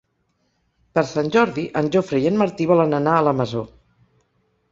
Per Sant Jordi en Jofre i en Martí volen anar a la Masó.